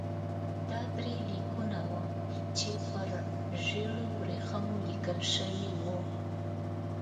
دا درې لیکونه وو چې پر ژړو ورېښمو لیکل شوي وو.